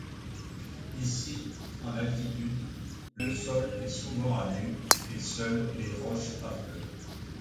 Ici, en altitude, le sol est souvent à nu et seules les roches affleurent.